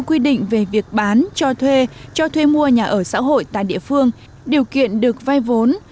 dự án về việc bán cho thuê cho thuê mua nhà ở xã hội tại địa phương điều kiện được vay vốn